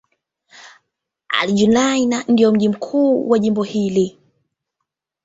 Al-Junaynah ndio mji mkuu wa jimbo hili.